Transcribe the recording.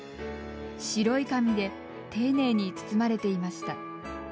白い紙で丁寧に包まれていました。